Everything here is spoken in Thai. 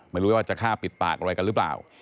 ไม่รู้ว่าจะฆ่าปิดปากอะไรกันหรือเปล่า